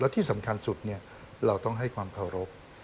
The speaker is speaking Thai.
ที่สำคัญสุดเราต้องให้ความเคารพ